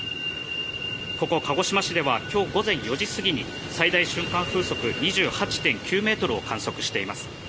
ここ、鹿児島市では今日午前４時過ぎに最大瞬間風速２８．９ｍを観測しています。